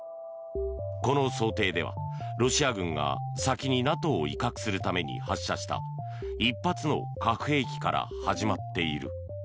この想定ではロシア軍が先にＮＡＴＯを威嚇するために発射した１発の核兵器から始まっている。